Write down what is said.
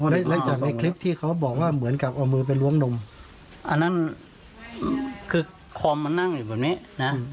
แล้วจากในคลิปที่เขาบอกว่าเหมือนกับเอามือไปล้วงดมอันนั้นคือคอมมันนั่งอยู่แบบนี้นะ